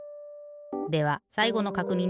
ではさいごのかくにんだぞ。